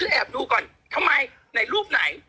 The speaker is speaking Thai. ฉันแอบดูก่อนทำไมรูปไหน